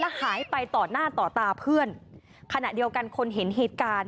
หายไปต่อหน้าต่อตาเพื่อนขณะเดียวกันคนเห็นเหตุการณ์